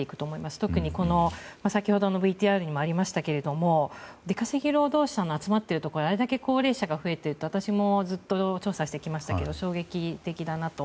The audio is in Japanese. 特に先ほどのＶＴＲにもありましたが出稼ぎ労働者が集まっているところにあれだけ高齢者が増えていると私もずっと調査してきましたが衝撃的だなと。